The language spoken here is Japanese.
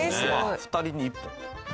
２人に１本。